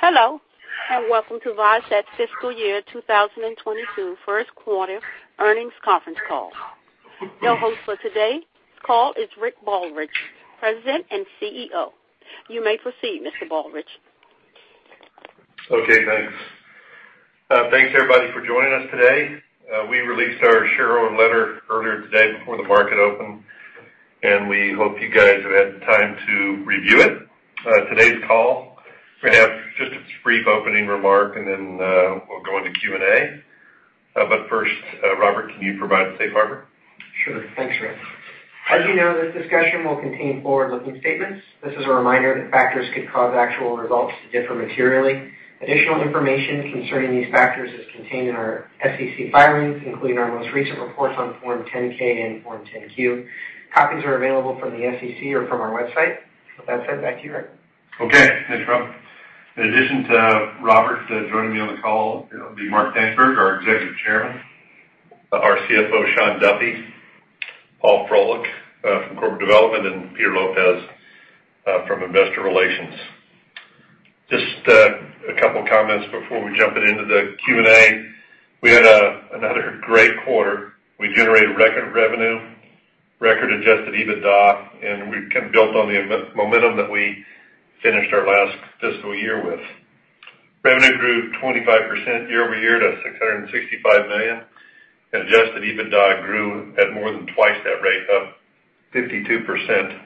Hello, and welcome to Viasat's fiscal year 2022 first quarter earnings conference call. Your host for today's call is Rick Baldridge, President and CEO. You may proceed, Mr. Baldridge. Okay, thanks. Thanks everybody for joining us today. We released our shareholder letter earlier today before the market opened, and we hope you guys have had time to review it. Today's call, we have just a brief opening remark, and then we'll go into Q&A. First, Robert, can you provide the safe harbor? Sure. Thanks, Rick. As you know, this discussion will contain forward-looking statements. This is a reminder that factors could cause actual results to differ materially. Additional information concerning these factors is contained in our SEC filings, including our most recent reports on Form 10-K and Form 10-Q. Copies are available from the SEC or from our website. With that said, back to you, Rick. Okay. Thanks, Rob. In addition to Robert, joining me on the call will be Mark Dankberg, our Executive Chairman, our CFO, Shawn Duffy, Paul Froelich from Corporate Development, and Peter Lopez from Investor Relations. Just a couple of comments before we jump into the Q&A. We had another great quarter. We generated record revenue, record adjusted EBITDA, and we built on the momentum that we finished our last fiscal year with. Revenue grew 25% year-over-year to $665 million. Adjusted EBITDA grew at more than twice that rate, up 52%.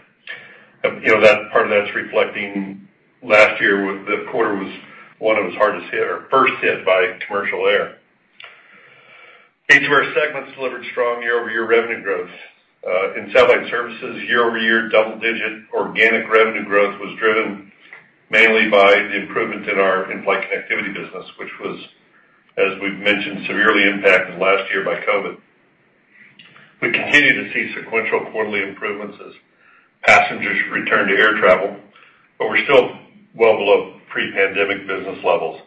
Part of that's reflecting last year, the quarter was one that was hardest hit or first hit by commercial air. Each of our segments delivered strong year-over-year revenue growth. In satellite services, year-over-year double-digit organic revenue growth was driven mainly by the improvement in our in-flight connectivity business, which was, as we've mentioned, severely impacted last year by COVID. We continue to see sequential quarterly improvements as passengers return to air travel, but we're still well below pre-pandemic business levels.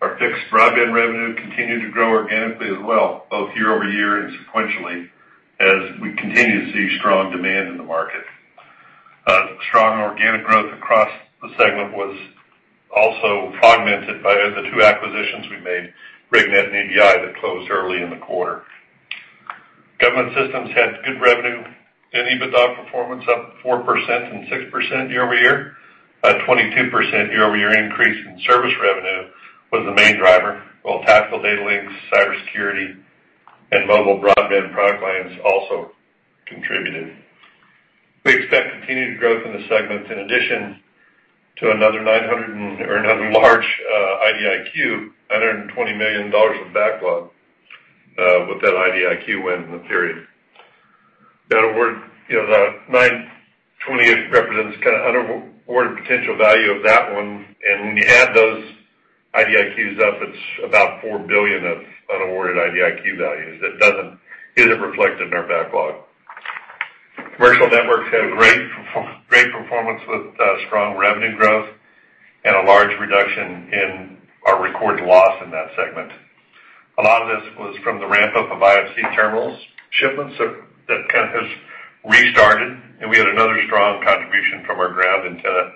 Our fixed broadband revenue continued to grow organically as well, both year-over-year and sequentially, as we continue to see strong demand in the market. Strong organic growth across the segment was also augmented by the two acquisitions we made, RigNet and EBI, that closed early in the quarter. Government Systems had good revenue and EBITDA performance, up 4% and 6% year-over-year. A 22% year-over-year increase in service revenue was the main driver, while tactical data links, cybersecurity, and mobile broadband product lines also contributed. We expect continued growth in the segment in addition to another large IDIQ, $120 million of backlog with that IDIQ win in the period. That $920 million represents kind of unawarded potential value of that one, and when you add those IDIQs up, it's about $4 billion of unawarded IDIQ values that isn't reflected in our backlog. Commercial Networks had great performance with strong revenue growth and a large reduction in our recorded loss in that segment. A lot of this was from the ramp-up of IFC terminals shipments that has restarted, and we had another strong contribution from our ground antenna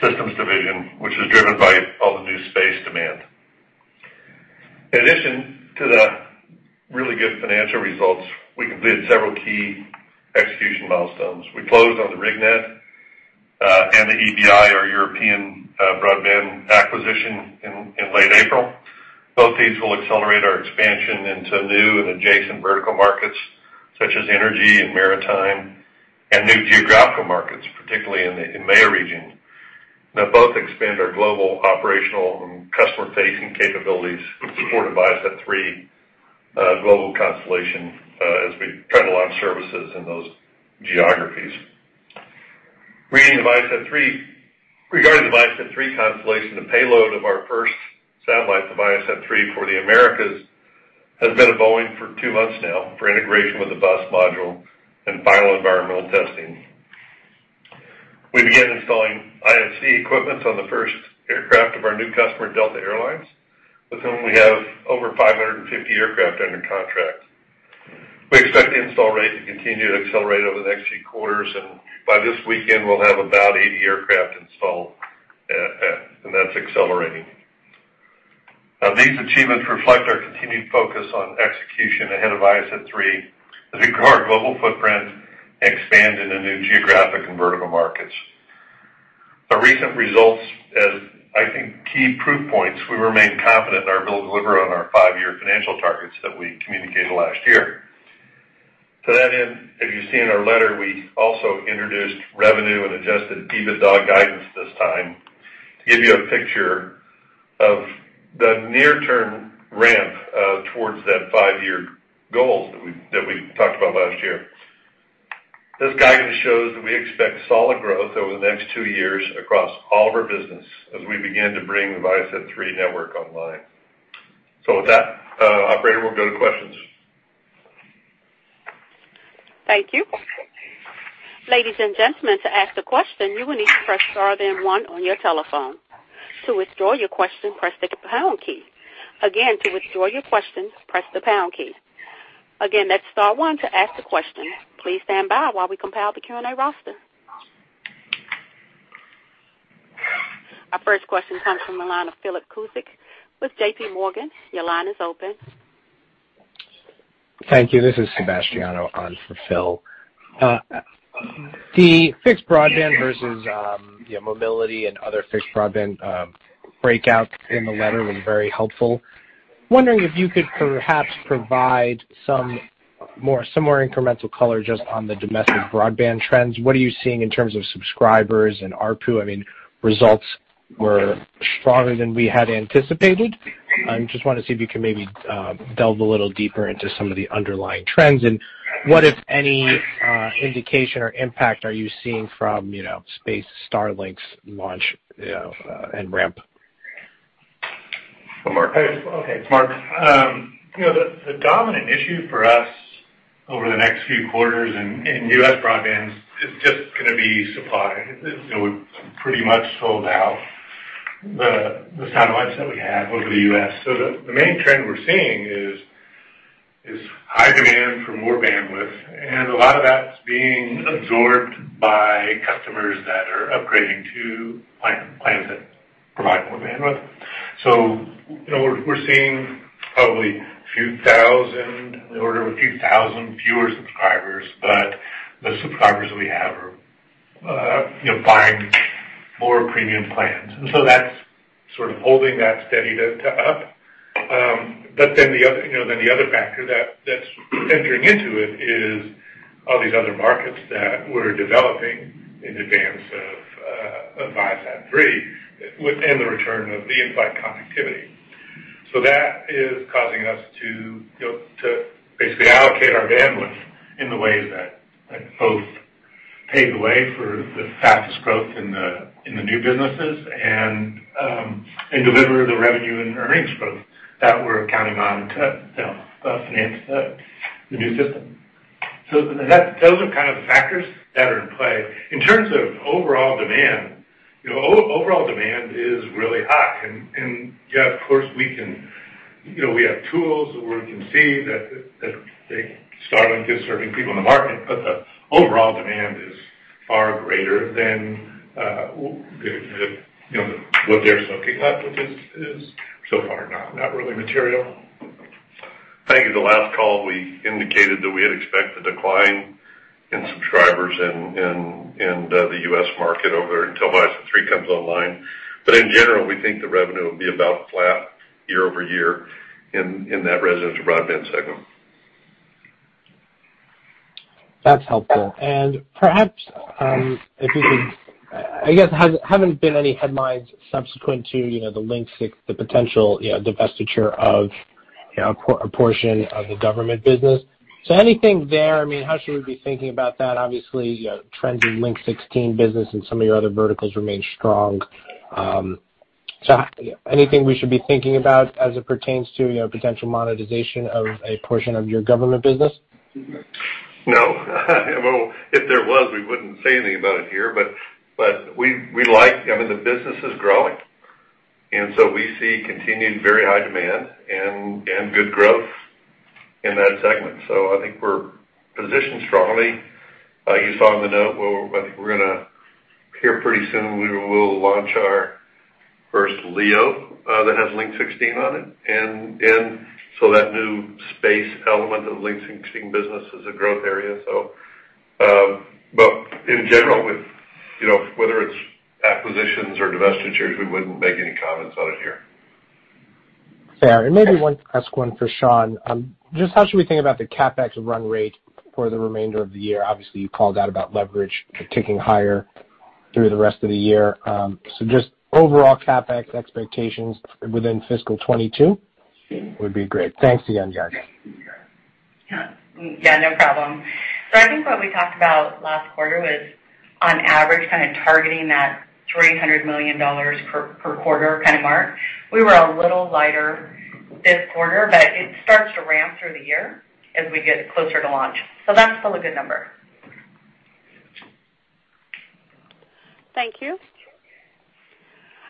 systems division, which is driven by all the new space demand. In addition to the really good financial results, we completed several key execution milestones. We closed on the RigNet, and the EBI, our European broadband acquisition, in late April. Both these will accelerate our expansion into new and adjacent vertical markets, such as energy and maritime, and new geographical markets, particularly in the EAME region. Both expand our global operational and customer-facing capabilities to support ViaSat-3 global constellation as we try to launch services in those geographies. Regarding the ViaSat-3 constellation, the payload of our first satellite, the ViaSat-3 for the Americas, has been at Boeing for two months now for integration with the bus module and final environmental testing. We began installing IFC equipment on the first aircraft of our new customer, Delta Air Lines, with whom we have over 550 aircraft under contract. We expect the install rate to continue to accelerate over the next few quarters, by this weekend, we'll have about 80 aircraft installed, and that's accelerating. These achievements reflect our continued focus on execution ahead of ViaSat-3 as we grow our global footprint and expand into new geographic and vertical markets. Our recent results as, I think, key proof points, we remain confident in our ability to deliver on our five-year financial targets that we communicated last year. To that end, as you see in our letter, we also introduced revenue and adjusted EBITDA guidance this time to give you a picture of the near-term ramp towards that five-year goal that we talked about last year. This guidance shows that we expect solid growth over the next two years across all of our business as we begin to bring the ViaSat-3 network online. With that, operator, we'll go to questions. Thank you. Ladies and gentlemen, to ask a question, you will need to press star then one on your telephone. To withdraw your question, press the pound key. Again, to withdraw your question, press the pound key. Again, that's star one to ask a question. Please stand by while we compile the Q&A roster. Our first question comes from the line of Philip Cusick with JPMorgan, your line is open. Thank you. This is Sebastiano on for Phil. The fixed broadband versus mobility and other fixed broadband breakouts in the letter was very helpful. Wondering if you could perhaps provide some more incremental color just on the domestic broadband trends. What are you seeing in terms of subscribers and ARPU? Results were stronger than we had anticipated. I just want to see if you can maybe delve a little deeper into some of the underlying trends, and what, if any, indication or impact are you seeing from Starlink's launch and ramp? Mark? Okay. Mark. The dominant issue for us over the next few quarters in U.S. broadband is just going to be supply. We've pretty much sold out the satellites that we had over the U.S. The main trend we're seeing is high demand for more bandwidth, and a lot of that's being absorbed by customers that are upgrading to plans that provide more bandwidth. We're seeing probably in the order of a few thousand fewer subscribers, but the subscribers we have are buying more premium plans, and so that's sort of holding that steady to up. The other factor that's entering into it is all these other markets that we're developing in advance of ViaSat-3 and the return of the in-flight connectivity. That is causing us to basically allocate our bandwidth in the ways that both pave the way for the fastest growth in the new businesses and deliver the revenue and earnings growth that we're counting on to finance the new system. Those are kind of the factors that are in play. In terms of overall demand, overall demand is really high. Yeah, of course, we have tools where we can see that Starlink is serving people in the market, but the overall demand is far greater than what they're soaking up, which is so far not really material. I think the last call we indicated that we had expected a decline in subscribers in the U.S. market over until ViaSat-3 comes online. In general, we think the revenue will be about flat year-over-year in that residential broadband segment. That's helpful. Perhaps if you could, I guess, haven't been any headlines subsequent to the potential divestiture of a portion of the government business. Anything there, how should we be thinking about that? Obviously, trends in Link 16 business and some of your other verticals remain strong. Anything we should be thinking about as it pertains to potential monetization of a portion of your government business? No. Well, if there was, we wouldn't say anything about it here, but the business is growing. We see continued very high demand and good growth in that segment. I think we're positioned strongly. You saw in the note where I think we're going to hear pretty soon, we will launch our first LEO that has Link 16 on it. That new space element of Link 16 business is a growth area. In general, whether it's acquisitions or divestitures, we wouldn't make any comments on it here. Fair. Maybe I'll ask one for Shawn. Just how should we think about the CapEx run rate for the remainder of the year? Obviously, you called out about leverage kicking higher through the rest of the year. Just overall CapEx expectations within fiscal 2022 would be great. Thanks again, guys. Yeah, no problem. I think what we talked about last quarter was on average, kind of targeting that $300 million per quarter kind of mark. We were a little lighter this quarter, but it starts to ramp through the year as we get closer to launch. That's still a good number. Thank you.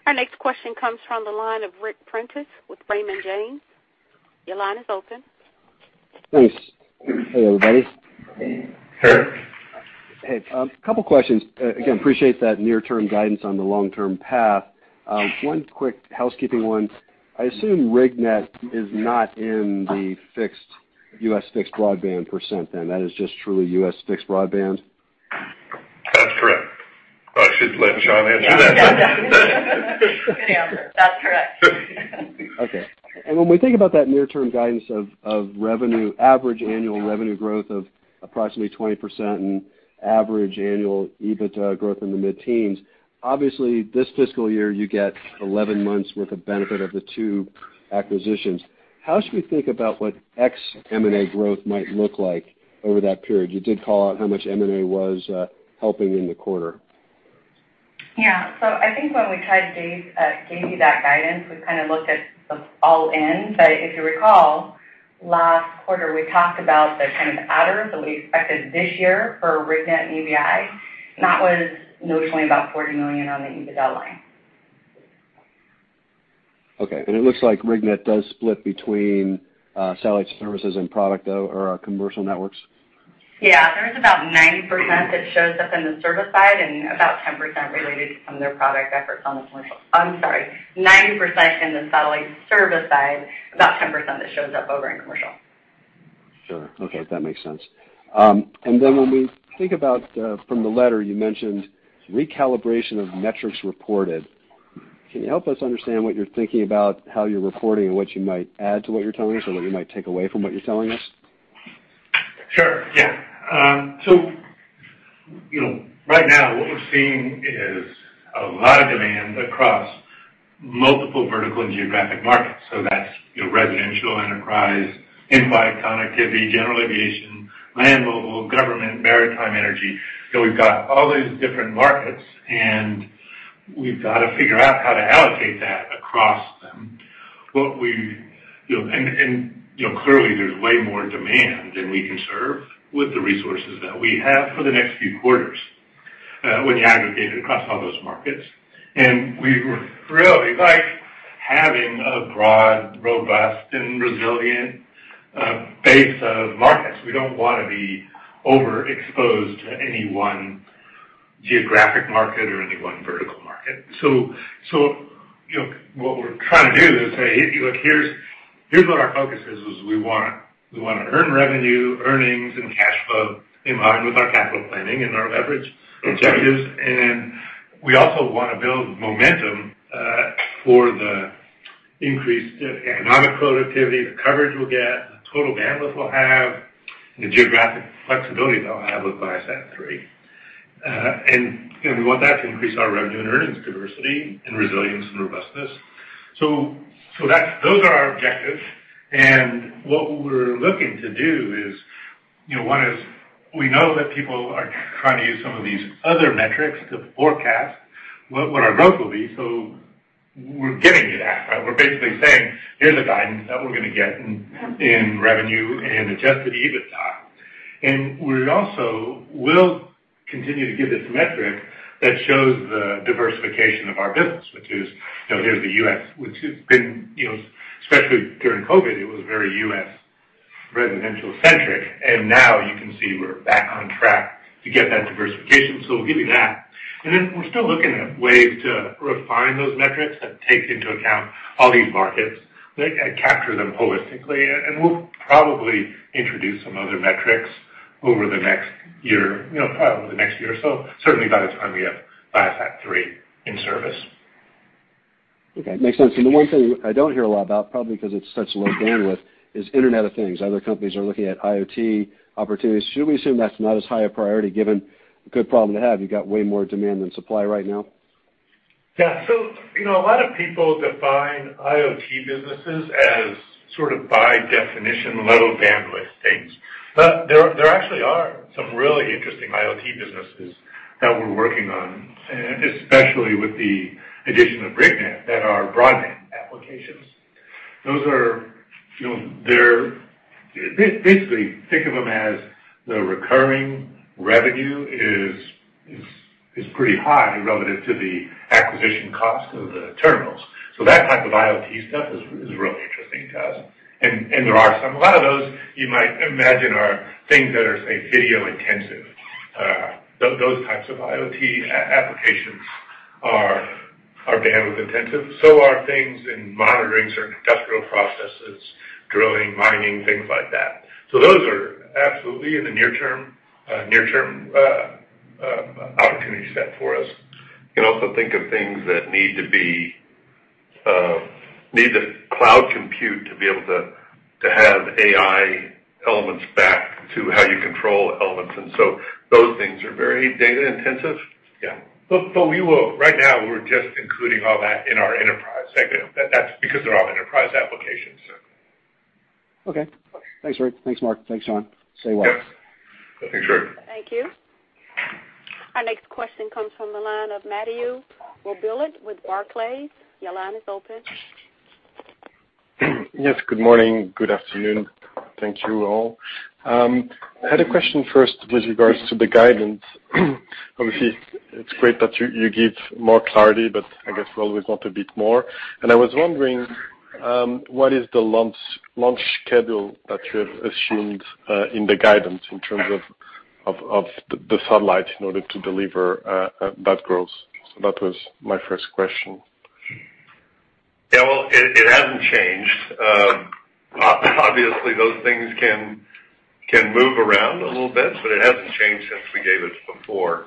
Our next question comes from the line of Ric Prentiss with Raymond James. Your line is open. Thanks. Hey, everybody. Hey, Ric. Hey. A couple questions. Appreciate that near-term guidance on the long-term path. One quick housekeeping one. I assume RigNet is not in the U.S. fixed broadband percent, then. That is just truly U.S. fixed broadband? That's correct. I should let Shawn answer that. Yeah. Good answer. That's correct. Okay. When we think about that near-term guidance of average annual revenue growth of approximately 20% and average annual EBITDA growth in the mid-teens, obviously this fiscal year, you get 11 months worth of benefit of the two acquisitions. How should we think about what ex M&A growth might look like over that period? You did call out how much M&A was helping in the quarter. Yeah. I think when we gave you that guidance, we kind of looked at the all-in. If you recall, last quarter, we talked about the kind of adder, so what we expected this year for RigNet and EBI, and that was notionally about $40 million on the EBITDA line. Okay. It looks like RigNet does split between satellite services and product, though, or commercial networks. Yeah. There is about 90% that shows up in the service side and about 10% related to some of their product efforts on the commercial, I'm sorry, 90% in the satellite service side, about 10% that shows up over in commercial. Sure. Okay. That makes sense. When we think about from the letter, you mentioned recalibration of metrics reported. Can you help us understand what you're thinking about how you're reporting and what you might add to what you're telling us or what you might take away from what you're telling us? Sure, yeah. Right now, what we're seeing is a lot of demand across multiple vertical and geographic markets. That's residential, enterprise, in-flight connectivity, general aviation, land mobile, government, maritime energy. We've got all these different markets, and we've got to figure out how to allocate that across them. Clearly, there's way more demand than we can serve with the resources that we have for the next few quarters when you aggregate it across all those markets. We really like having a broad, robust and resilient base of markets. We don't want to be overexposed to any one geographic market or any one vertical market. What we're trying to do is say, "Look, here's what our focus is," is we want to earn revenue, earnings and cash flow in line with our capital planning and our leverage objectives. We also want to build momentum for the increased economic productivity, the coverage we'll get, the total bandwidth we'll have, and the geographic flexibility that we'll have with ViaSat-3. We want that to increase our revenue and earnings diversity and resilience and robustness. Those are our objectives. What we're looking to do is, one is we know that people are trying to use some of these other metrics to forecast what our growth will be. We're giving you that, right? We're basically saying, "Here's the guidance that we're going to get in revenue and adjusted EBITDA." We also will continue to give this metric that shows the diversification of our business, which is, here's the U.S., which has been, especially during COVID, it was very U.S. residential centric. Now you can see we're back on track to get that diversification. We'll give you that. We're still looking at ways to refine those metrics that takes into account all these markets, that capture them holistically. We'll probably introduce some other metrics over the next year, probably over the next year or so, certainly by the time we have ViaSat-3 in service. Okay. Makes sense. The one thing I don't hear a lot about, probably because it's such low bandwidth, is Internet of Things. Other companies are looking at IoT opportunities. Should we assume that's not as high a priority given a good problem to have? You got way more demand than supply right now. Yeah. A lot of people define IoT businesses as sort of by definition, low bandwidth things. But there actually are some really interesting IoT businesses that we're working on, especially with the addition of RigNet, that are broadband applications. Basically, think of them as the recurring revenue is pretty high relative to the acquisition cost of the terminals. That type of IoT stuff is really interesting to us. And there are some. A lot of those you might imagine are things that are, say, video intensive. Those types of IoT applications are bandwidth intensive. Are things in monitoring certain industrial processes, drilling, mining, things like that. Those are absolutely in the near-term opportunity set for us. You can also think of things that need the cloud compute to be able to have AI elements back to how you control elements. Those things are very data intensive. Yeah. Right now, we're just including all that in our enterprise segment. That's because they're all enterprise applications. Okay. Thanks, Rick. Thanks, Mark. Thanks, Shawn. Stay well. Yeah. Thanks, Ric. Thank you. Our next question comes from the line of Mathieu Robilliard with Barclays. Your line is open. Yes. Good morning, good afternoon. Thank you all. I had a question first with regards to the guidance. Obviously, it's great that you give more clarity. I guess we always want a bit more. I was wondering, what is the launch schedule that you have assumed in the guidance in terms of the satellite in order to deliver that growth? That was my first question. Yeah. Well, it hasn't changed. Obviously, those things can move around a little bit, it hasn't changed since we gave it before.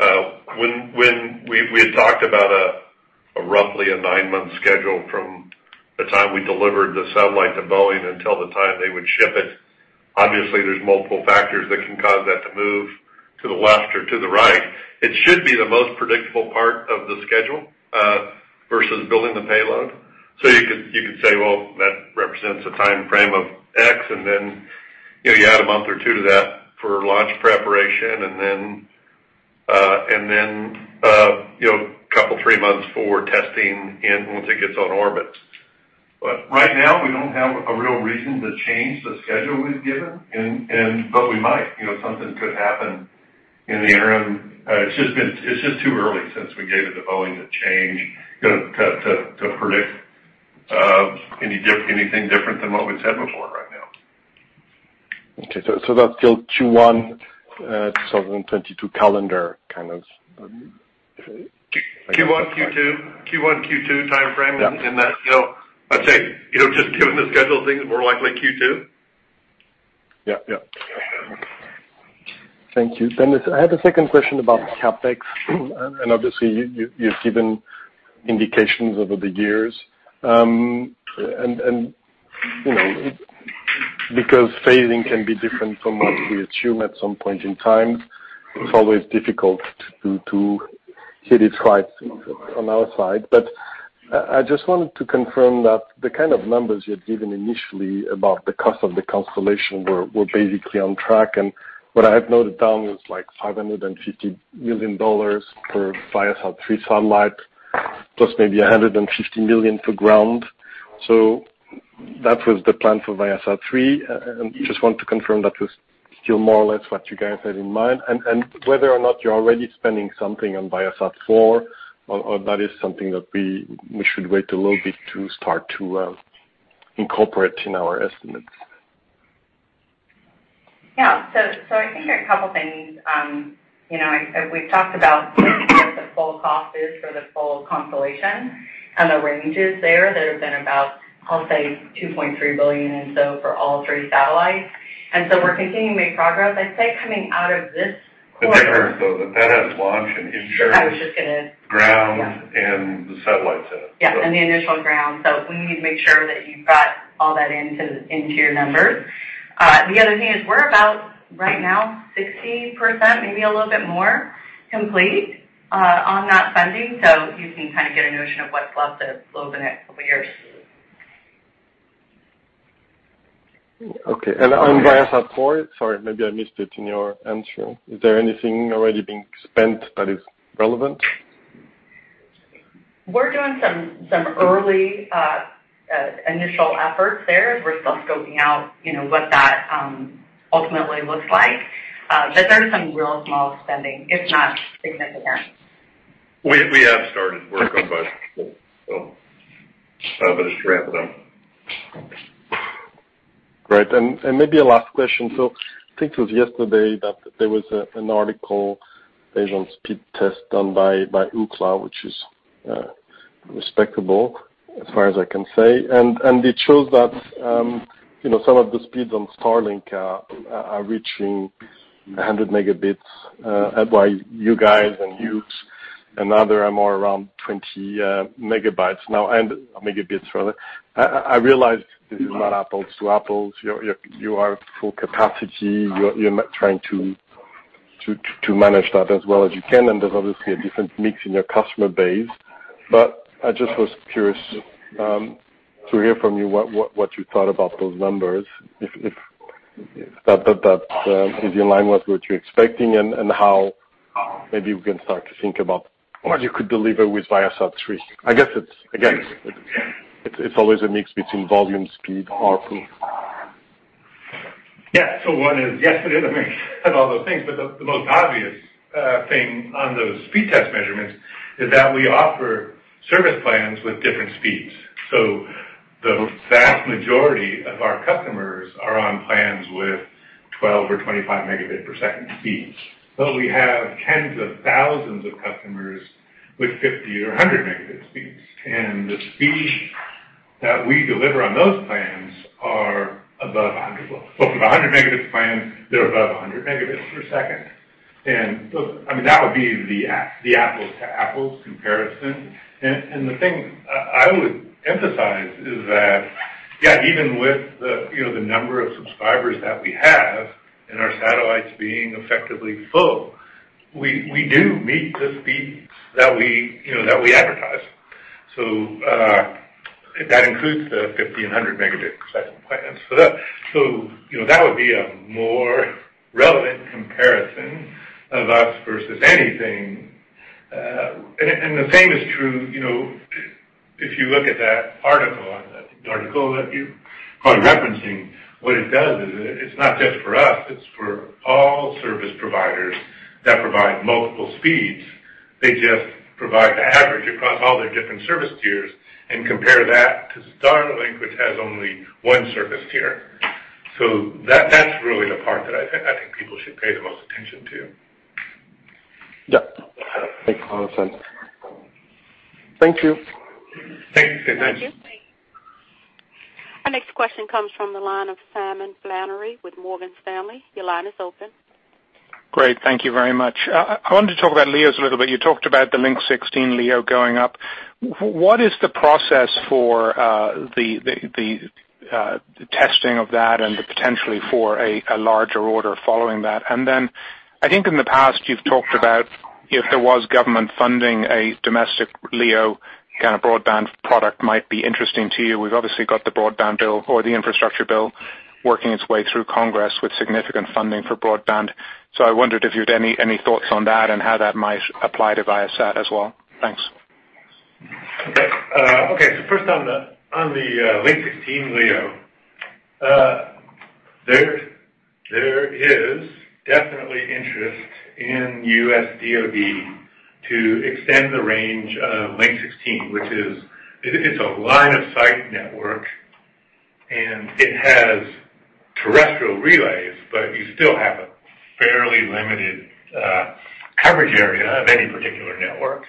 We had talked about roughly a nine-month schedule from the time we delivered the satellite to Boeing until the time they would ship it. Obviously, there's multiple factors that can cause that to move to the left or to the right. It should be the most predictable part of the schedule versus building the payload. You could say, well, that represents a time frame of X, and then you add a month or two to that for launch preparation, and then a couple, three months for testing once it gets on orbit. Right now, we don't have a real reason to change the schedule we've given, but we might. Something could happen in the interim. It's just too early since we gave it to Boeing to change, to predict anything different than what we've said before right now. Okay. That's still Q1 2022 calendar. Q1, Q2 timeframe. Yeah. In that, I'd say, just given the schedule of things, more likely Q2. Yeah. Thank you. And, I had a 2nd question about CapEx. Obviously you've given indications over the years. Because failing can be different from what we assume at some point in time, it's always difficult to hit it right on our side. I just wanted to confirm that the kind of numbers you'd given initially about the cost of the constellation were basically on track, and what I had noted down was like $550 million for ViaSat-3 satellite, plus maybe $150 million for ground. That was the plan for ViaSat-3. I just wanted to confirm that was still more or less what you guys had in mind, and whether or not you're already spending something on ViaSat-4, or that is something that we should wait a little bit to start to incorporate in our estimates. Yeah. I think there are a couple things. We've talked about what the full cost is for the full constellation and the ranges there. They've been about, I'll say, $2.3 billion for all three satellites. We're continuing to make progress. Remember, though, that that has launch and insurance. I was just going to- Ground and the satellite itself. Yeah, and the initial ground. We need to make sure that you've got all that into your numbers. The other thing is we're about, right now, 60%, maybe a little bit more, complete on that spending. You can kind of get a notion of what's left to flow over the next couple years. Okay. On ViaSat-4, sorry, maybe I missed it in your answer, is there anything already being spent that is relevant? We're doing some early initial efforts there. We're still scoping out what that ultimately looks like. There's some real small spending, it's not significant. We have started work on ViaSat-4. It's ramping up. Great. Maybe a last question. I think it was yesterday that there was an article based on speed test done by Ookla, which is respectable as far as I can say. It shows that some of the speeds on Starlink are reaching 100 Mbps, while you guys and other are more around 20 MB now, and Mbps, rather. I realize this is not apples to apples. You are at full capacity. You're trying to manage that as well as you can, and there's obviously a different mix in your customer base. I just was curious to hear from you what you thought about those numbers, if that is in line with what you're expecting and how maybe we can start to think about what you could deliver with ViaSat-3. I guess it's, again, it's always a mix between volume, speed, ARPU. Yeah. One is, yes, it is a mix of all those things, but the most obvious thing on those speed test measurements is that we offer service plans with different speeds. The vast majority of our customers are on plans with 12 or 25 megabit per second speeds. We have tens of thousands of customers with 50 or 100 megabit speeds. The speeds that we deliver on those plans are above 100. For the 100 megabits plan, they are above 100 megabits per second. I mean, that would be the apples to apples comparison. The thing I would emphasize is that, yeah, even with the number of subscribers that we have and our satellites being effectively full, we do meet the speeds that we advertise. That includes the 50 and 100 megabit per second plans. That would be a more relevant comparison of us versus anything. The same is true, if you look at that article that you are referencing, what it does is it's not just for us, it's for all service providers that provide multiple speeds. They just provide the average across all their different service tiers and compare that to Starlink, which has only one service tier. That's really the part that I think people should pay the most attention to. Yeah. Makes a lot of sense. Thank you. Thanks. Have a nice day. Thank you. Our next question comes from the line of Simon Flannery with Morgan Stanley. Your line is open. Great. Thank you very much. I wanted to talk about LEOs a little bit. You talked about the Link 16 LEO going up. What is the process for the testing of that and potentially for a larger order following that? I think in the past you've talked about if there was government funding, a domestic LEO kind of broadband product might be interesting to you. We've obviously got the broadband bill or the infrastructure bill working its way through Congress with significant funding for broadband. I wondered if you had any thoughts on that and how that might apply to Viasat as well. Thanks. Okay. First, on the Link 16 LEO, there is definitely interest in U.S. DOD to extend the range of Link 16, which is a line-of-sight network, and it has terrestrial relays, but you still have a fairly limited coverage area of any particular network.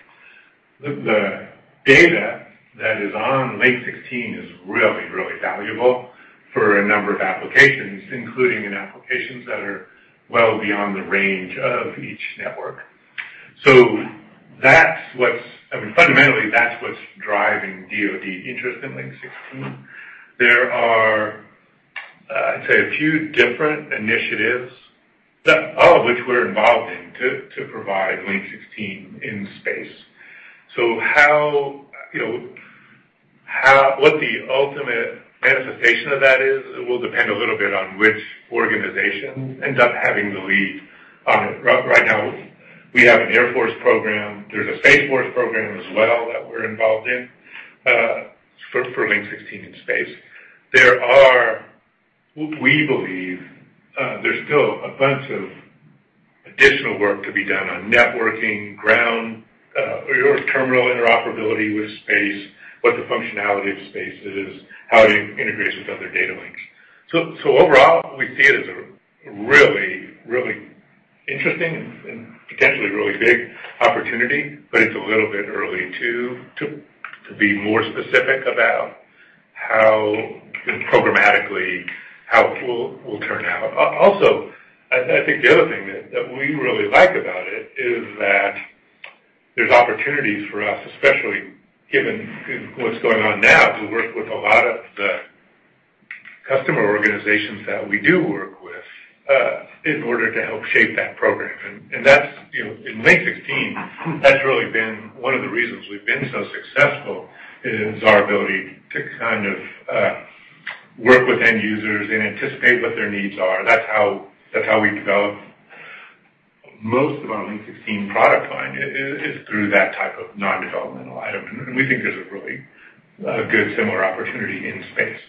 The data that is on Link 16 is really valuable for a number of applications, including in applications that are well beyond the range of each network. Fundamentally, that's what's driving DOD interest in Link 16. There are, I'd say, a few different initiatives, all of which we're involved in, to provide Link 16 in space. What the ultimate manifestation of that is will depend a little bit on which organization ends up having the lead on it. Right now, we have an Air Force program. There's a Space Force program as well that we're involved in for Link 16 in space. We believe there's still a bunch of additional work to be done on networking ground, terminal interoperability with space, what the functionality of space is, how it integrates with other data links. Overall, we see it as a really interesting and potentially really big opportunity, but it's a little bit early to be more specific about how, programmatically, how it will turn out. Also, I think the other thing that we really like about it is that there's opportunities for us, especially given what's going on now, to work with a lot of the customer organizations that we do work with in order to help shape that program. In Link 16, that's really been one of the reasons we've been so successful, is our ability to kind of work with end users and anticipate what their needs are. That's how we develop most of our Link 16 product line, is through that type of non-developmental item. We think there's a really good similar opportunity in space.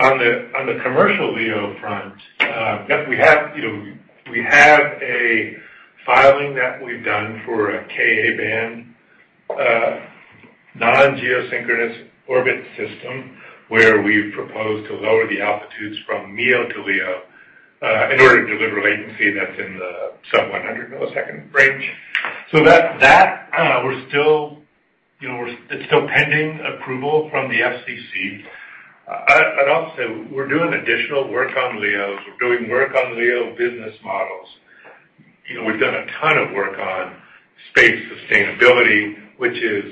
On the commercial LEO front, we have a filing that we've done for a Ka-band non-geosynchronous orbit system where we've proposed to lower the altitudes from MEO to LEO in order to deliver latency that's in the sub-100 millisecond range. That, it's still pending approval from the FCC. I'd also say we're doing additional work on LEOs. We're doing work on LEO business models. We've done a ton of work on space sustainability, which I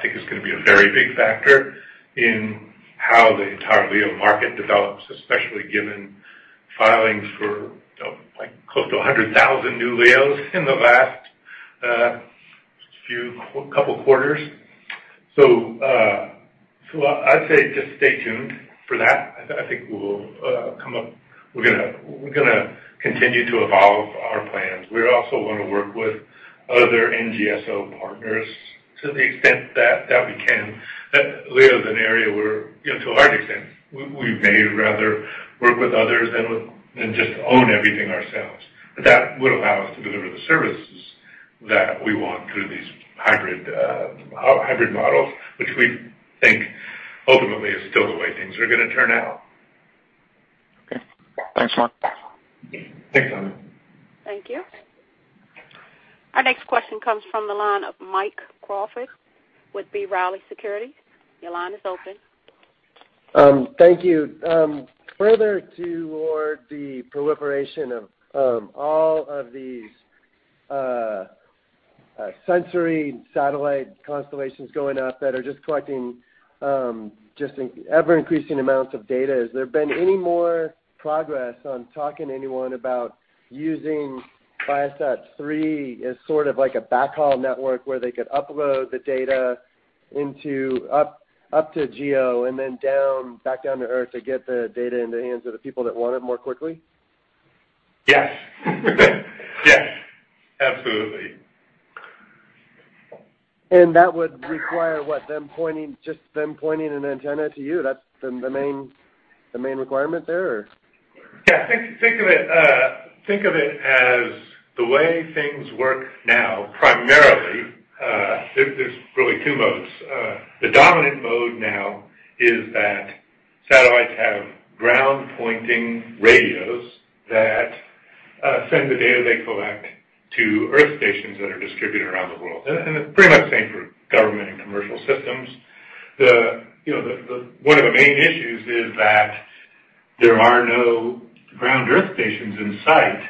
think is going to be a very big factor in how the entire LEO market develops, especially given filings for close to 100,000 new LEOs in the last couple quarters. I'd say just stay tuned for that. I think we're going to continue to evolve our plans. We also want to work with other NGSO partners to the extent that we can. LEO is an area where, to a large extent, we may rather work with others than just own everything ourselves. That would allow us to deliver the services that we want through these hybrid models, which we think ultimately is still the way things are going to turn out. Okay. Thanks, Mark. Thanks, Simon. Thank you. Our next question comes from the line of Mike Crawford with B. Riley Securities. Your line is open. Thank you. Further toward the proliferation of all of these sensory satellite constellations going up that are just collecting ever-increasing amounts of data, has there been any more progress on talking to anyone about using ViaSat-3 as sort of like a backhaul network where they could upload the data up to GEO and then back down to Earth to get the data in the hands of the people that want it more quickly? Yes. Yes, absolutely. That would require what, just them pointing an antenna to you? That's the main requirement there, or? Yeah. Think of it as the way things work now, primarily. There's really two modes. The dominant mode now is that satellites have ground-pointing radios that send the data they collect to Earth stations that are distributed around the world. It's pretty much the same for government and commercial systems. One of the main issues is that there are no ground Earth stations in sight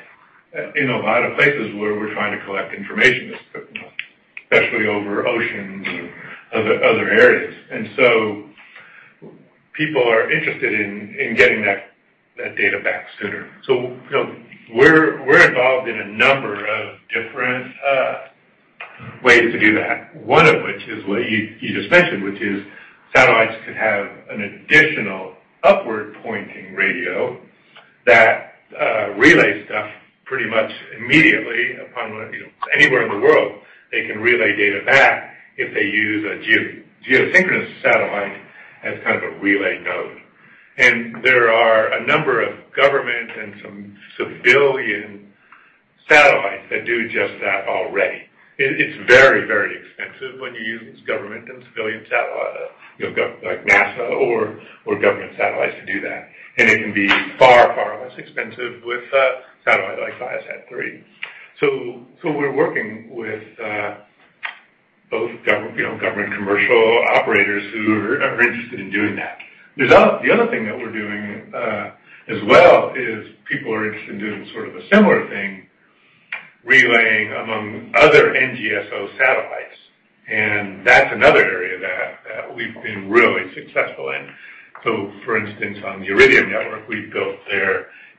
in a lot of places where we're trying to collect information, especially over oceans or other areas. People are interested in getting that data back sooner. We're involved in a number of different ways to do that. One of which is what you just mentioned, which is satellites could have an additional upward-pointing radio that relays stuff pretty much immediately upon, anywhere in the world, they can relay data back if they use a geosynchronous satellite as kind of a relay node. There are a number of government and some civilian satellites that do just that already. It's very, very expensive when you use government and civilian, like NASA or government satellites to do that. It can be far, far less expensive with a satellite like ViaSat-3. We're working with both government commercial operators who are interested in doing that. Other thing that we're doing as well is people are interested in doing sort of a similar thing, relaying among other NGSO satellites. That's another area that we've been really successful in. For instance, on the Iridium network, we've built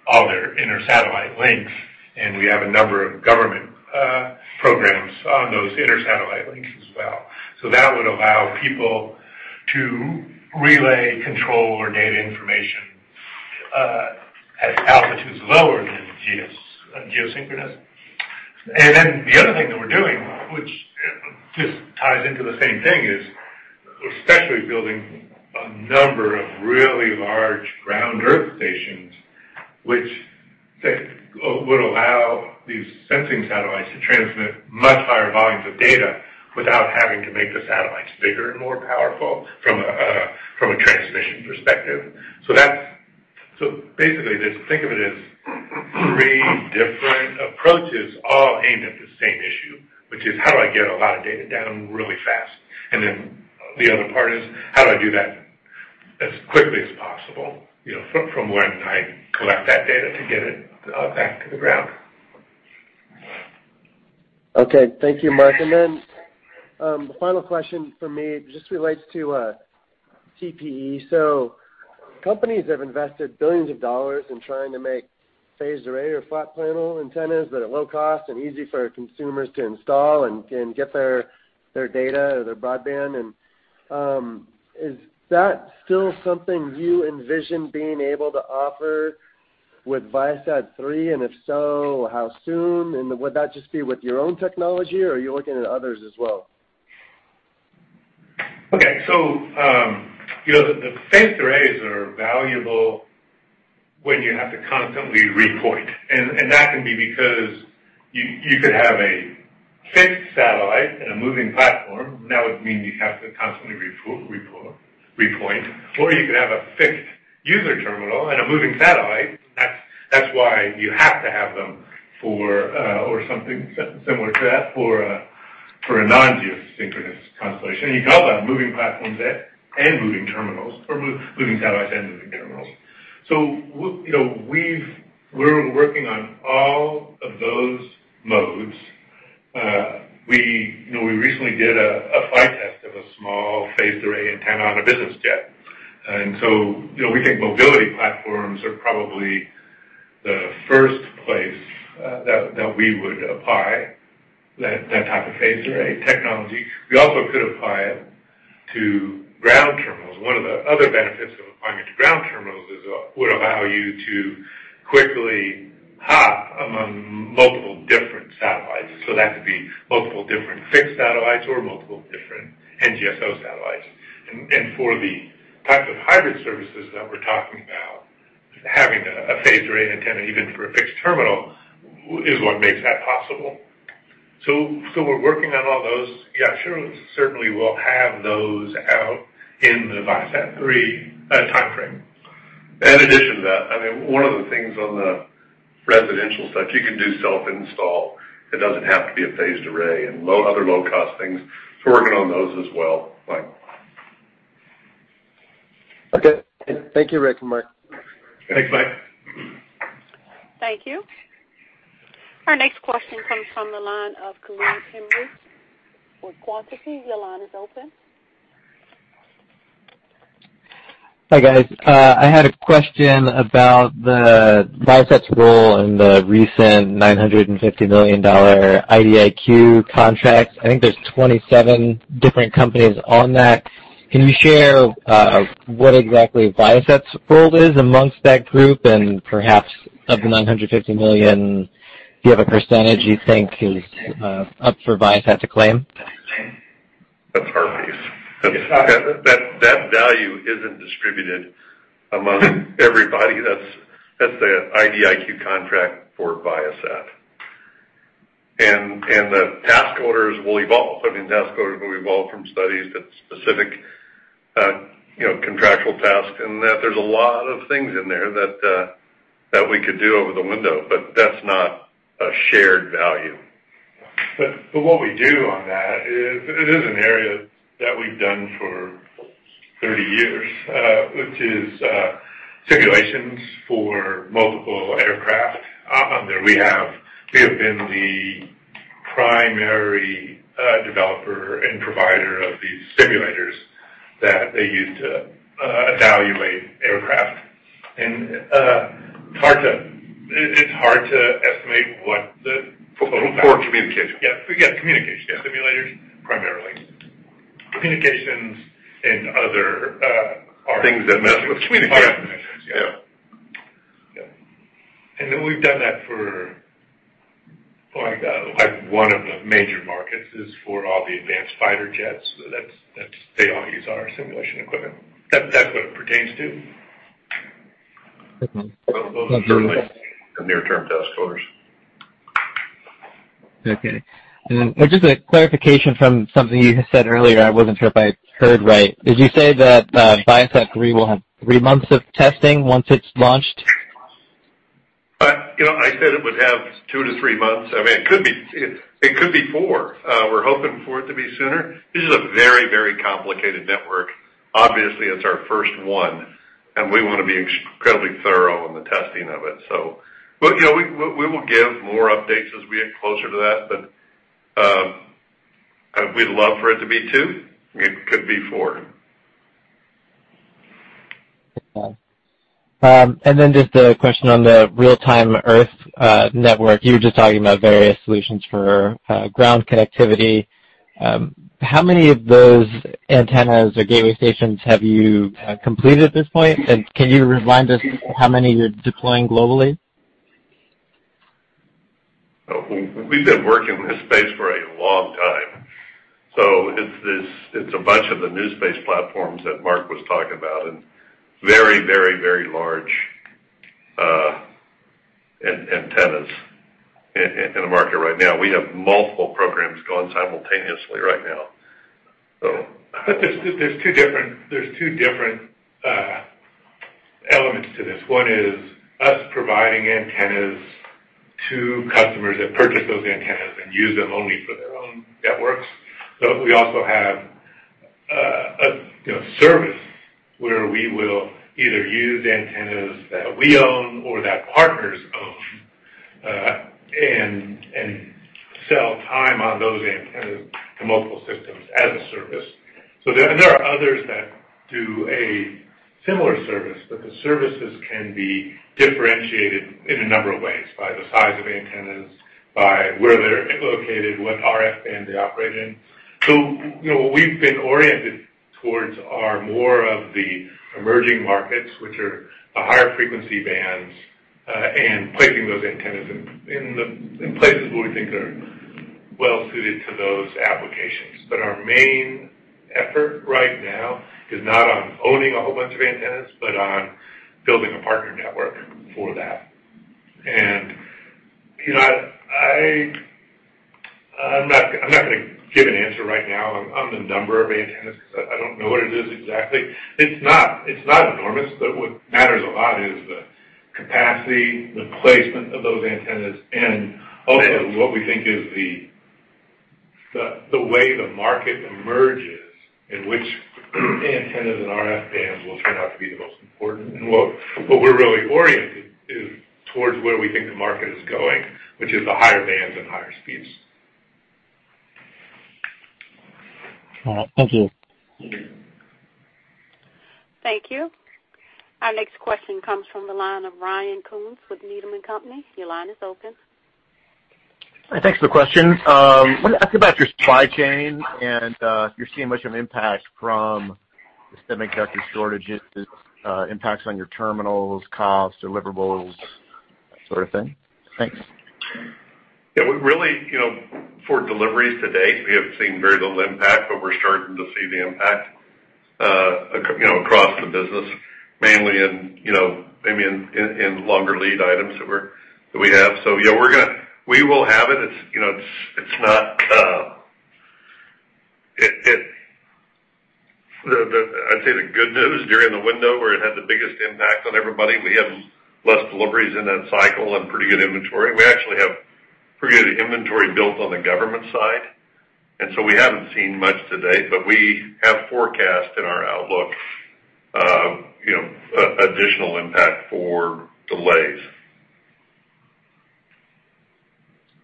all their inter-satellite links, and we have a number of government programs on those inter-satellite links as well. That would allow people to relay control or data information at altitudes lower than geosynchronous. The other thing that we're doing, which just ties into the same thing, is especially building a number of really large ground earth stations, which would allow these sensing satellites to transmit much higher volumes of data without having to make the satellites bigger and more powerful from a transmission perspective. Basically, think of it as three different approaches all aimed at the same issue, which is, how do I get a lot of data down really fast? The other part is, how do I do that as quickly as possible from when I collect that data to get it back to the ground? Okay. Thank you, Mark. Then, final question from me just relates to CPE. Companies have invested billions of dollars in trying to make phased array or flat panel antennas that are low cost and easy for consumers to install and can get their data or their broadband. Is that still something you envision being able to offer with ViaSat-3? If so, how soon? Would that just be with your own technology, or are you looking at others as well? Okay. The phased arrays are valuable when you have to constantly repoint. That can be because you could have a fixed satellite and a moving platform, that would mean you have to constantly repoint, or you could have a fixed user terminal and a moving satellite. That's why you have to have them for, or something similar to that, for a non-GEO constellation. You can have moving platforms and moving terminals, or moving satellites and moving terminals. We're working on all of those modes. We recently did a flight test of a small phased array antenna on a business jet. We think mobility platforms are probably the first place that we would apply that type of phased array technology. We also could apply it to ground terminals. One of the other benefits of applying it to ground terminals is it would allow you to quickly hop among multiple different satellites. That could be multiple different fixed satellites or multiple different NGSO satellites. For the types of hybrid services that we're talking about, having a phased array antenna, even for a fixed terminal, is what makes that possible. We're working on all those. Yeah, sure, certainly, we'll have those out in the ViaSat-3 timeframe. In addition to that, one of the things on the residential side, you can do self-install. It doesn't have to be a phased array, and other low-cost things. We're working on those as well, Mike. Okay. Thank you, Rick and Mark. Thanks, Mike. Thank you. Our next question comes from the line of [Kareem Simbri] with [Quantity]. Hi, guys. I had a question about the Viasat's role in the recent $950 million IDIQ contract. I think there's 27 different companies on that. Can you share what exactly Viasat's role is amongst that group? Perhaps of the $950 million, do you have a percentage you think is up for Viasat to claim? That's our piece. That value isn't distributed among everybody. That's an IDIQ contract for Viasat. The task orders will evolve. I mean, task orders will evolve from studies to specific contractual tasks and that. There's a lot of things in there that we could do over the window, but that's not a shared value. What we do on that is, it is an area that we've done for 30 years, which is simulations for multiple aircraft. On there, we have been the primary developer and provider of these simulators that they use to evaluate aircraft. It's hard to estimate. For communication. Yes. Communication. Simulators, primarily. Communications. Things that mess with communication. Yeah. We've done that for One of the major markets is for all the advanced fighter jets. They all use our simulation equipment. That's what it pertains to. Okay. Those are certainly the near-term test orders. Okay. Just a clarification from something you had said earlier, I wasn't sure if I heard right. Did you say that ViaSat-3 will have three months of testing once it's launched? I said it would have two to three months. It could be four. We're hoping for it to be sooner. This is a very complicated network. Obviously, it's our first one, and we want to be incredibly thorough in the testing of it. We will give more updates as we get closer to that. We'd love for it to be two. It could be four. Okay. Just a question on the Real-Time Earth network. You were just talking about various solutions for ground connectivity. How many of those antennas or gateway stations have you completed at this point? Can you remind us how many you're deploying globally? We've been working in this space for a long time. It's a bunch of the new space platforms that Mark was talking about and very large antennas in the market right now. We have multiple programs going simultaneously right now. There's two different elements to this. One is us providing antennas to customers that purchase those antennas and use them only for their own networks. We also have a service where we will either use antennas that we own or that partners own, and sell time on those antennas to multiple systems as a service. There are others that do a similar service, but the services can be differentiated in a number of ways, by the size of antennas, by where they're located, what RF band they operate in. What we've been oriented towards are more of the emerging markets, which are the higher frequency bands, and placing those antennas in places where we think they're well-suited to those applications. Our main effort right now is not on owning a whole bunch of antennas, but on building a partner network for that. I'm not going to give an answer right now on the number of antennas because I don't know what it is exactly. It's not enormous, but what matters a lot is the capacity, the placement of those antennas, and also what we think is the way the market emerges in which antennas and RF bands will turn out to be the most important. What we're really oriented is towards where we think the market is going, which is the higher bands and higher speeds. All right. Thank you. Thank you. Our next question comes from the line of Ryan Koontz with Needham & Company. Your line is open. Thanks for the question. I want to ask about your supply chain and if you're seeing much of an impact from the semiconductor shortages, impacts on your terminals, costs, deliverables, that sort of thing. Thanks. Yeah. Really, for deliveries to date, we have seen very little impact, but we're starting to see the impact across the business, mainly in longer lead items that we have. We will have it. I'd say the good news, during the window where it had the biggest impact on everybody, we have less deliveries in that cycle and pretty good inventory. We actually have pretty good inventory built on the government side, and so we haven't seen much to date, but we have forecast in our outlook additional impact for delays.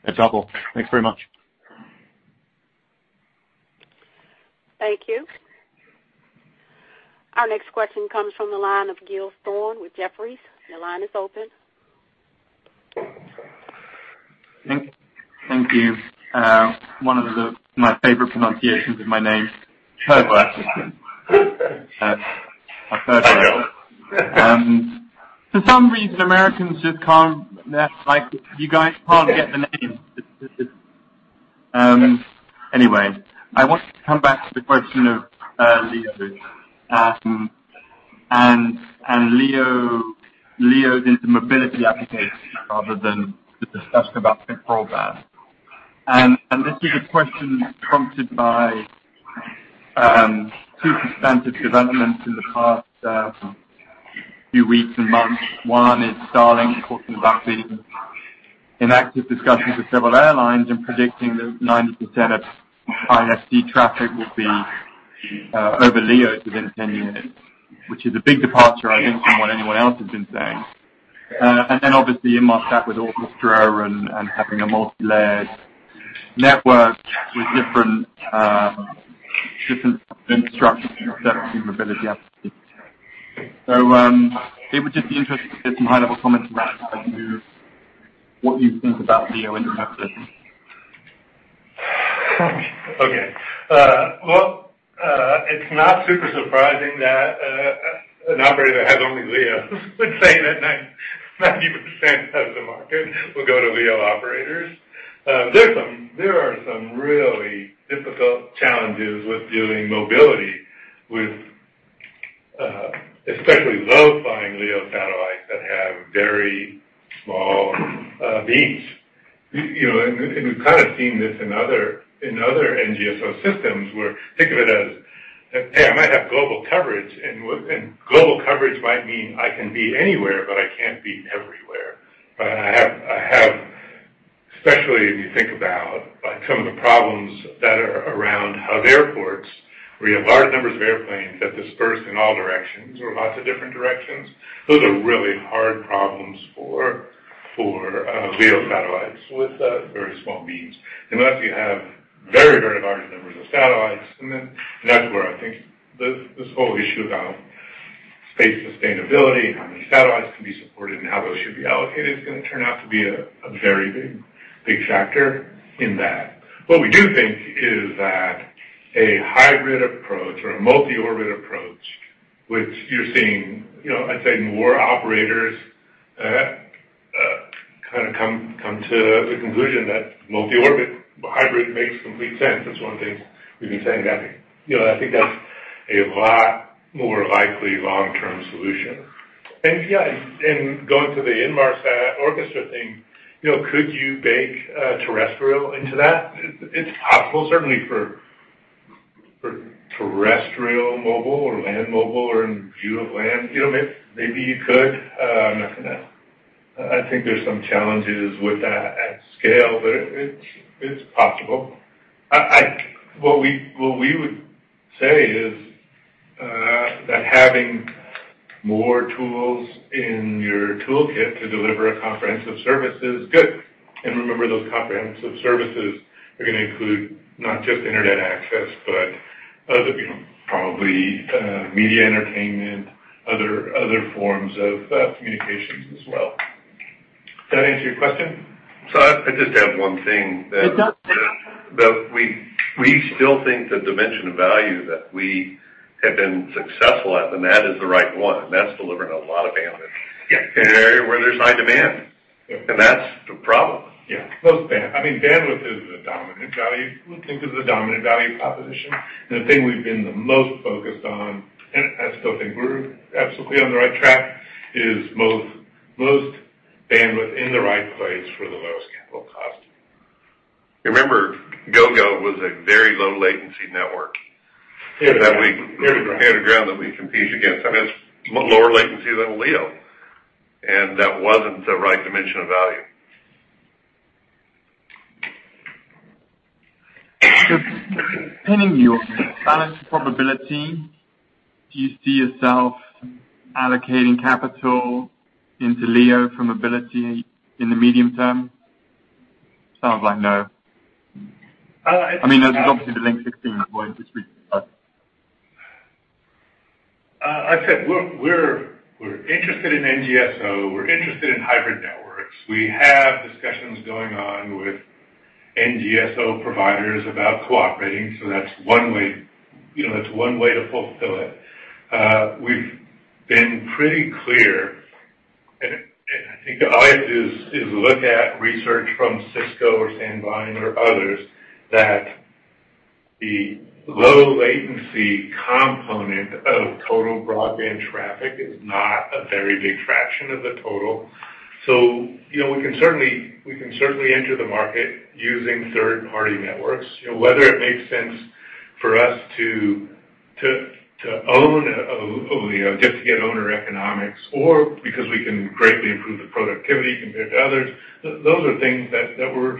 That's helpful. Thanks very much. Thank you. Our next question comes from the line of Giles Thorne with Jefferies. Your line is open. Thank you. One of my favorite pronunciations of my name. For some reason, Americans just can't. You guys can't get the name. I want to come back to the question of LEOs and LEOs into mobility applications rather than the discussion about thick broadband. This is a question prompted by two substantive developments in the past few weeks and months. One is Starlink talking about being in active discussions with several airlines and predicting that 90% of IFE traffic will be over LEOs within 10 years, which is a big departure, I think, from what anyone else has been saying. Obviously Inmarsat with ORCHESTRA and having a multilayered network with different infrastructure mobility applications. It would just be interesting to get some high-level comments around kind of what you think about LEO internet. Okay. Well, it's not super surprising that an operator that has only LEO would say that 90% of the market will go to LEO operators. There are some really difficult challenges with doing mobility with, especially low-flying LEO satellites that have very small beams. We've kind of seen this in other NGSO systems where, think of it as, hey, I might have global coverage, and global coverage might mean I can be anywhere, but I can't be everywhere. Especially if you think about some of the problems that are around hub airports, where you have large numbers of airplanes that disperse in all directions or lots of different directions. Those are really hard problems for LEO satellites with very small beams, unless you have very large numbers of satellites. That's where I think this whole issue about space sustainability, how many satellites can be supported, and how those should be allocated, is going to turn out to be a very big factor in that. What we do think is that a hybrid approach or a multi-orbit approach, which you're seeing, I'd say more operators kind of come to the conclusion that multi-orbit hybrid makes complete sense. That's one of the things we've been saying. I think that's a lot more likely long-term solution. Yeah, going to the Inmarsat ORCHESTRA thing, could you bake terrestrial into that? It's possible certainly for terrestrial mobile or land mobile, or in view of land. Maybe you could. I think there's some challenges with that at scale, but it's possible. What we would say is, that having more tools in your toolkit to deliver a comprehensive service is good. Remember, those comprehensive services are going to include not just internet access, but other, probably media, entertainment, other forms of communications as well. Does that answer your question? I just add one thing. What's that? We still think the dimension of value that we have been successful at, and that is the right one, and that's delivering a lot of bandwidth. Yeah. In an area where there's high demand. Yeah. That's the problem. Yeah. Bandwidth is the dominant value. We think is the dominant value proposition. The thing we've been the most focused on, and I still think we're absolutely on the right track, is most bandwidth in the right place for the lowest capital cost. Remember, Gogo was a very low latency network. Air-to-ground. Air-to-ground that we compete against. I mean, it's lower latency than LEO, and that wasn't the right dimension of value. Depending on your balance probability, do you see yourself allocating capital into LEO from mobility in the medium term? Sounds like no. Uh, it- I mean, there's obviously the Link 16. I said we're interested in NGSO. We're interested in hybrid networks. We have discussions going on with NGSO providers about cooperating, so that's one way to fulfill it. We've been pretty clear, and I think all you have to do is look at research from Cisco or Sandvine or others, that the low latency component of total broadband traffic is not a very big fraction of the total. We can certainly enter the market using third-party networks. Whether it makes sense for us to own a LEO just to get owner economics or because we can greatly improve the productivity compared to others, those are things that we're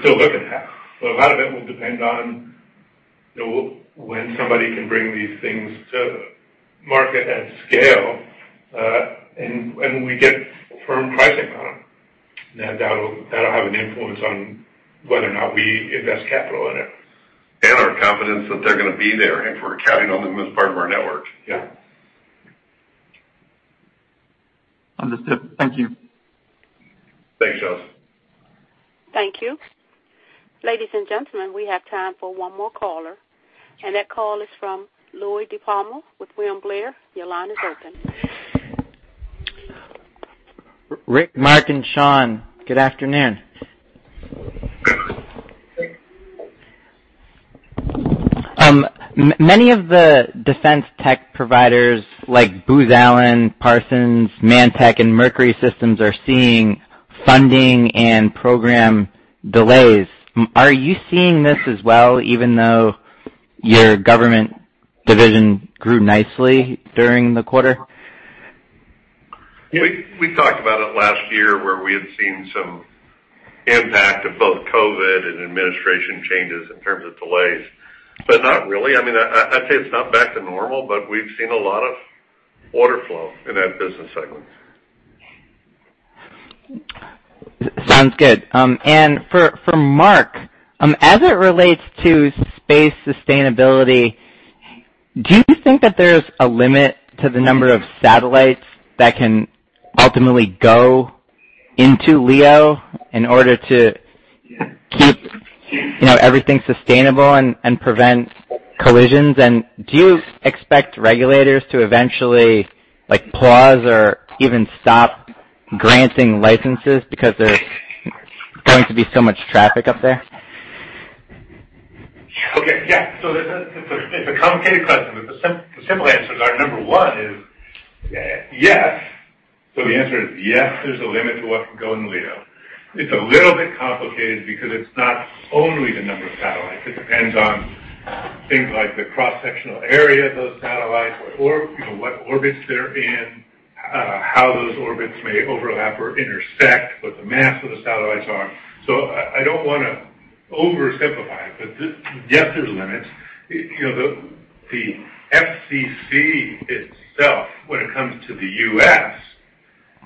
still looking at. A lot of it will depend on when somebody can bring these things to market at scale, and when we get firm pricing on them. That'll have an influence on whether or not we invest capital in it. Our confidence that they're going to be there and if we're counting on them as part of our network. Yeah. Understood. Thank you. Thanks, Giles. Thank you. Ladies and gentlemen, we have time for one more caller, and that call is from Louie DiPalma with William Blair. Your line is open. Rick, Mark, and Shawn, good afternoon. Many of the defense tech providers like Booz Allen, Parsons, ManTech, and Mercury Systems are seeing funding and program delays. Are you seeing this as well, even though your government division grew nicely during the quarter? We talked about it last year, where we had seen some impact of both COVID and administration changes in terms of delays. Not really. I'd say it's not back to normal, but we've seen a lot of order flow in that business segment. Sounds good. For Mark, as it relates to space sustainability, do you think that there's a limit to the number of satellites that can ultimately go into LEO in order to keep everything sustainable and prevent collisions? Do you expect regulators to eventually pause or even stop granting licenses because there's going to be so much traffic up there? Okay. Yeah. It's a complicated question, but the simple answers are, number one is yes. The answer is yes, there's a limit to what can go in LEO. It's a little bit complicated because it's not only the number of satellites. It depends on things like the cross-sectional area of those satellites or what orbits they're in, how those orbits may overlap or intersect, what the mass of the satellites are. I don't want to oversimplify it, but yes, there's limits. The FCC itself, when it comes to the U.S.,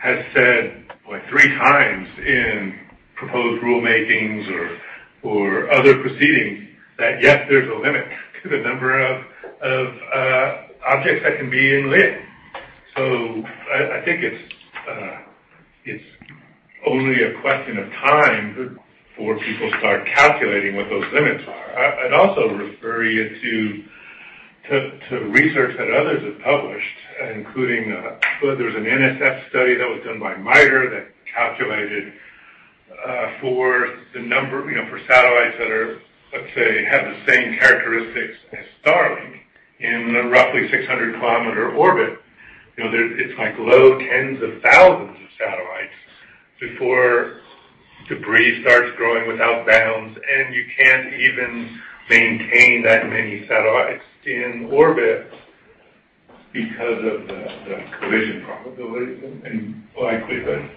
has said, what, three times in proposed rulemakings or other proceedings that, yes, there's a limit to the number of objects that can be in LEO. I think it's only a question of time before people start calculating what those limits are. I'd also refer you to research that others have published, including, there was an NSF study that was done by MITRE that calculated for satellites that, let's say, have the same characteristics as Starlink in a roughly 600-kilometer orbit. It's like low tens of thousands of satellites before debris starts growing without bounds, and you can't even maintain that many satellites in orbit because of the collision probability and likelihood.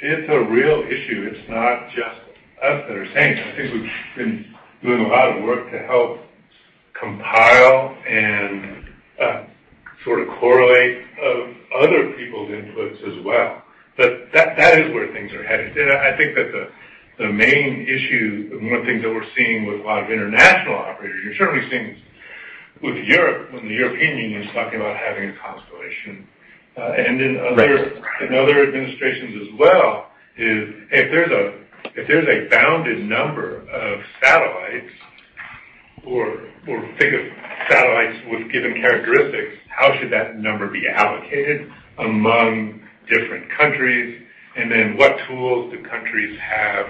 It's a real issue. It's not just us that are saying it. I think we've been doing a lot of work to help compile and sort of correlate other people's inputs as well. That is where things are headed. I think that the main issue, and one of the things that we're seeing with a lot of international operators, you're certainly seeing this with Europe, when the European Union is talking about having a constellation. And then- Right Other administrations as well, is if there's a bounded number of satellites, or think of satellites with given characteristics, how should that number be allocated among different countries? What tools do countries have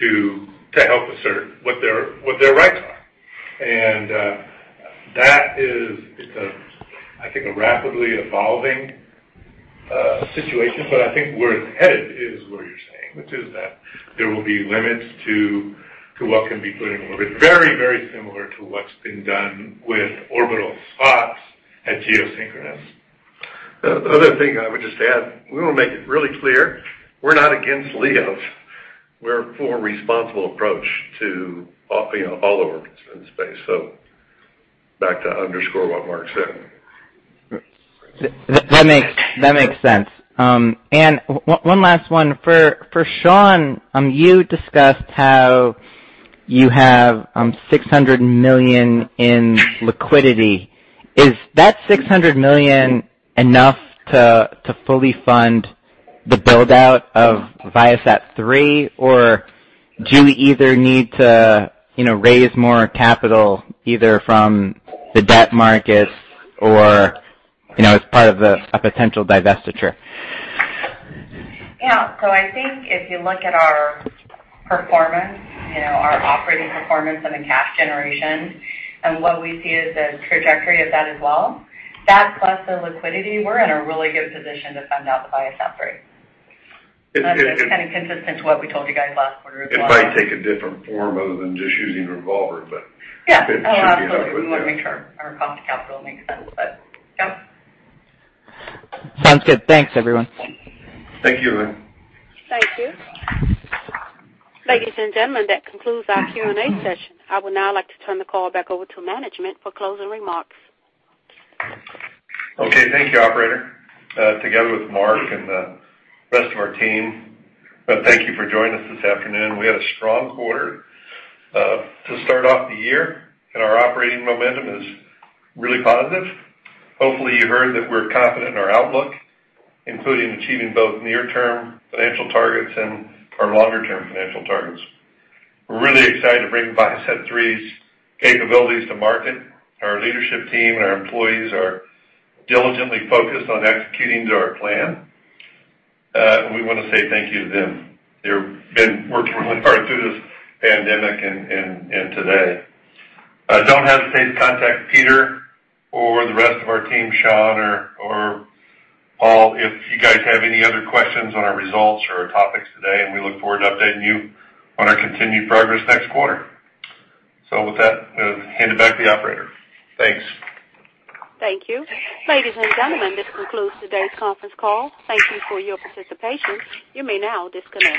to help assert what their rights are? That is, I think, a rapidly evolving situation. I think where it's headed is where you're saying, which is that there will be limits to what can be put in orbit, very similar to what's been done with orbital spots at geosynchronous. The other thing I would just add, we want to make it really clear, we're not against LEOs. We're for a responsible approach to all orbits in space. Back to underscore what Mark said. That makes sense. One last one. For Shawn, you discussed how you have $600 million in liquidity. Is that $600 million enough to fully fund the build-out of ViaSat-3, or do we either need to raise more capital, either from the debt markets or as part of a potential divestiture? Yeah. I think if you look at our performance, our operating performance and the cash generation, and what we see is the trajectory of that as well, that plus the liquidity, we're in a really good position to fund out the ViaSat-3. It- That's kind of consistent to what we told you guys last quarter as well. It might take a different form other than just using a revolver. Yeah. It should be adequate. Absolutely. We want to make sure our cost of capital makes sense. Yep. Sounds good. Thanks, everyone. Thank you, Louie. Thank you. Ladies and gentlemen, that concludes our Q&A session. I would now like to turn the call back over to management for closing remarks. Thank you, operator. Together with Mark and the rest of our team, thank you for joining us this afternoon. We had a strong quarter to start off the year. Our operating momentum is really positive. Hopefully, you heard that we're confident in our outlook, including achieving both near-term financial targets and our longer-term financial targets. We're really excited to bring ViaSat-3's capabilities to market. Our leadership team and our employees are diligently focused on executing to our plan. We want to say thank you to them. They've been working really hard through this pandemic and today. Don't hesitate to contact Peter or the rest of our team, Shawn or Paul, if you guys have any other questions on our results or our topics today. We look forward to updating you on our continued progress next quarter. With that, I'll hand it back to the operator. Thanks. Thank you. Ladies and gentlemen, this concludes today's conference call. Thank you for your participation. You may now disconnect.